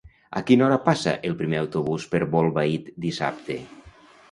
A quina hora passa el primer autobús per Bolbait dissabte?